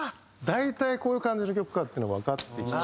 大体こういう感じの曲かっていうのがわかってきて。